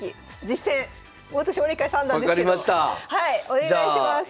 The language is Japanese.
お願いします。